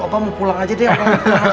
opah mau pulang aja deh